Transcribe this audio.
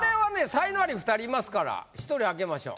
才能アリ２人いますから１人開けましょう。